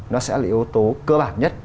nó sẽ là yếu tố cơ bản nhất